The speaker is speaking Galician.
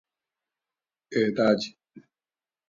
E dálle!